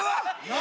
何？